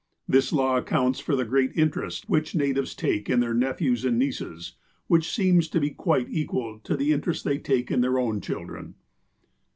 This law accounts for the great interest which natives take in their nephews and nieces, which seems to be quite equal to the interest they take in their own children.